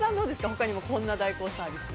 他にもこんな代行サービス。